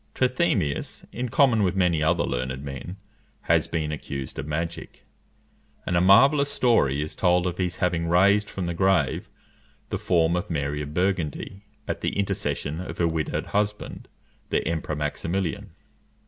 Trithemius, in common with many other learned men, has been accused of magic; and a marvellous story is told of his having raised from the grave the form of Mary of Burgundy, at the intercession of her widowed husband, the Emperor Maximilian.